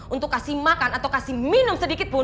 untuk kasih makan atau kasih minum sedikit pun